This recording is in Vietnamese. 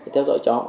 theo dõi chó